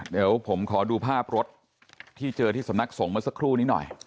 เดี๋ยวผมขอดูภาพรถที่เจอที่สำนักสงฆ์เมื่อสักครู่นี้หน่อย